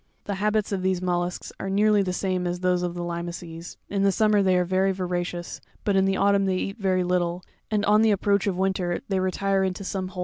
'The habits of these mollusks are nearly the same as those of the limaces. In summer they are very voracious, but in the autumn they eat very little, and, on the approach of Explanation of Fig. 22.